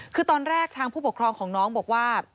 คือตอนแรกทางผู้ปกครองของน้องบอกว่า